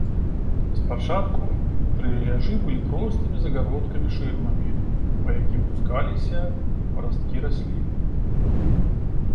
Спачатку трэльяжы былі простымі загародкамі-шырмамі, па якім пускаліся парасткі раслін.